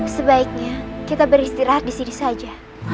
sebaiknya kita beristirahat di sini saja